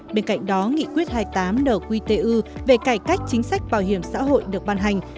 bên cạnh đó nghị quyết hai mươi tám nở quy tế ư về cải cách chính sách bảo hiểm xã hội được ban hành